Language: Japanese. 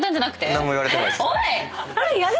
何も言われてないです。